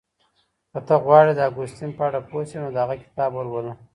که ته غواړې د اګوستين په اړه پوه شې نو د هغه کتاب ولوله.